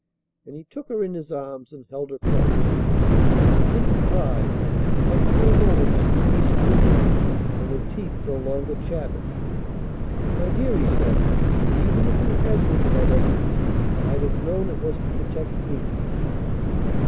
And he took her in his arms and held her close. She didn't cry, but for a moment she ceased trembling, and her teeth no longer chattered. "My dear," he said, "even if you had hidden that evidence I'd have known it was to protect me."